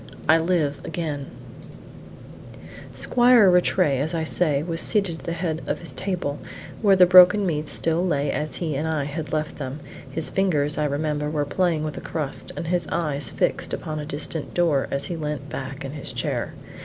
I LIVE AGAIN Squire Rattray, as I say, was seated at the head of his table, where the broken meats still lay as he and I had left them; his fingers, I remember, were playing with a crust, and his eyes fixed upon a distant door, as he leant back in his chair.